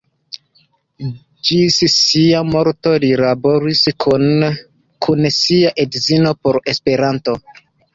Ĝis sia morto li laboris kune kun sia edzino por Esperanto.